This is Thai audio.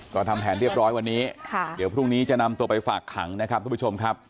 ก็ทำแผนเรียบร้อยวันนี้เดี๋ยวพรุ่งนี้จะนำตัวไปฝากขังนะครับทุกผู้ชมครับ